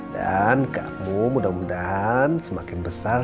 dan kamu mudah mudahan semakin besar